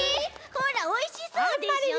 ほらおいしそうでしょ？